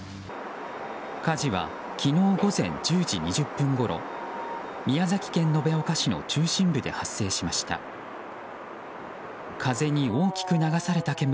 火事は昨日午前１０時２０分ごろ宮崎県延岡市の中心部で発生しました。